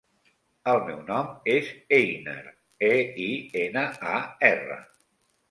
El meu nom és Einar: e, i, ena, a, erra.